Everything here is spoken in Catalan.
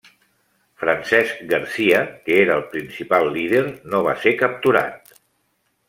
Francesc Garcia, que era el principal líder no va ser capturat.